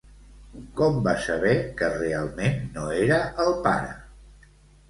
Com va saber que realment no era el pare?